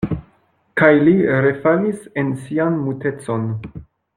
Kaj li refalis en sian mutecon.